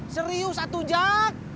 serius satu jak